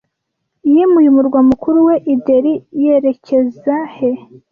yimuye umurwa mukuru we i Delhi yerekeza he